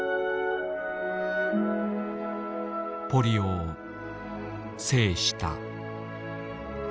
ポリオを制した。